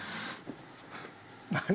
何？